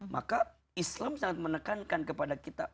maka islam sangat menekankan kepada kita